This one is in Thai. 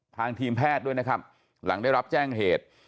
ทีมแพทย์ด้วยนะครับหลังได้รับแจ้งเหตุ